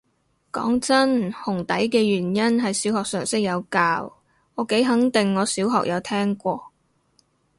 講真，紅底嘅原因係小學常識有教，我幾肯定我小學有聽過